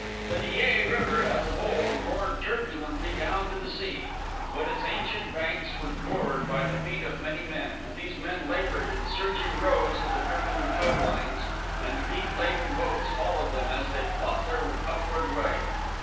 The Dyea River as of old roared turbulently down to the sea; but its ancient banks were gored by the feet of many men, and these men labored in surging rows at the dripping tow lines, and the deep laden boats followed them as they fought their upward way.